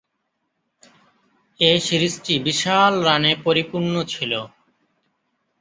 এ সিরিজটি বিশাল রানে পরিপূর্ণ ছিল।